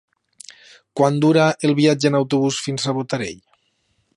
Quant dura el viatge en autobús fins a Botarell?